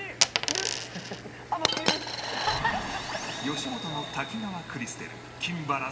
吉本の滝川クリステル